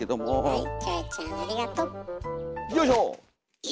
はい。